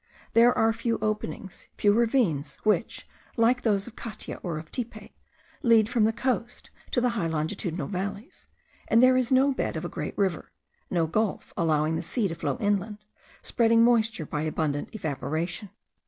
There are few openings, few ravines, which, like those of Catia or of Tipe, lead from the coast to the high longitudinal valleys, and there is no bed of a great river, no gulf allowing the sea to flow inland, spreading moisture by abundant evaporation.